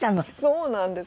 そうなんです。